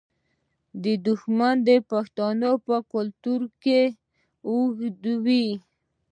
دښمني د پښتنو په کلتور کې اوږده وي.